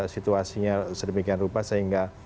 situasinya sedemikian rupa sehingga